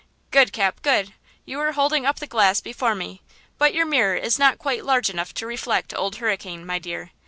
Good, Cap, good! You are holding up the glass before me; but your mirror is not quite large enough to reflect 'Old Hurricane,' my dear.